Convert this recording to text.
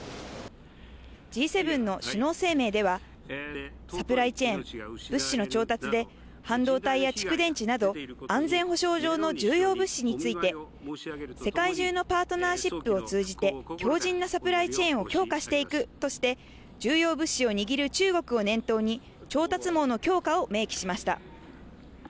Ｇ７の首脳声明では、サプライチェーン、物資の調達で半導体や蓄電池など、安全保障上の重要物資について、世界中のパートナーシップを通じて、強じんなサプライチェーンを強化していくとして、重要物資を握る中国を念頭に、調達網の強化を明記しました。